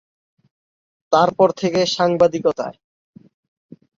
তারপর থেকে সাংবাদিকতায়।